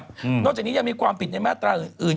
นอกจากนี้ยังมีความผิดในมาตราอื่น